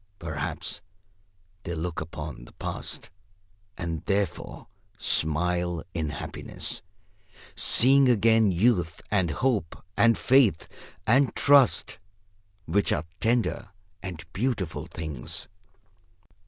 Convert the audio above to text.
Perhaps they look also upon the Past, and therefore smile in happiness, seeing again Youth, and Hope, and Faith, and Trust; which are tender and beautiful things.